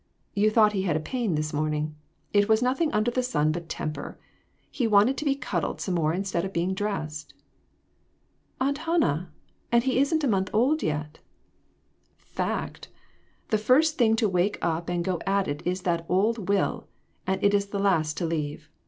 You thought he had a pain this morning; it was nothing under the sun but temper. He wanted to be cuddled some more instead of being dressed." "Aunt Hannah! And he isn't a month old yet !"" Fact ! The first thing to wake up' and go at it is that old will ; and it is the last to leave.